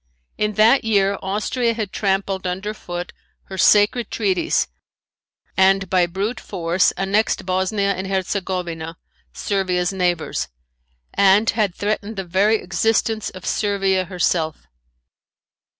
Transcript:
In that year Austria had trampled under foot her sacred treaties and by brute force annexed Bosnia and Herzegovnia, Servia's neighbors, and had threatened the very existence of Servia herself.